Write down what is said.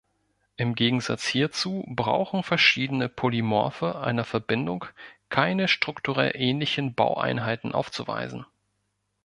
In Gegensatz hierzu brauchen verschiedene Polymorphe einer Verbindung keine strukturell ähnlichen Baueinheiten aufzuweisen.